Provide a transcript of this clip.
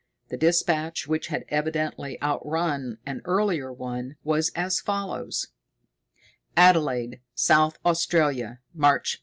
The dispatch, which had evidently outrun an earlier one, was as follows: ADELAIDE, South Australia, March 31.